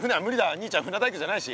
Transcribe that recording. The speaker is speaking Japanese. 兄ちゃん船大工じゃないし。